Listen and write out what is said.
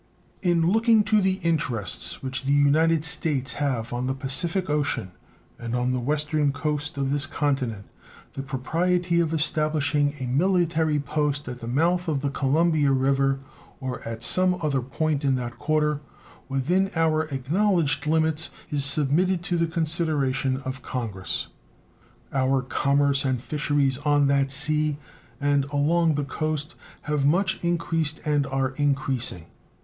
In looking to the interests which the United States have on the Pacific Ocean and on the western coast of this continent, the propriety of establishing a military post at the mouth of the Columbia River, or at some other point in that quarter within our acknowledged limits, is submitted to the consideration of Congress. Our commerce and fisheries on that sea and along the coast have much increased and are increasing.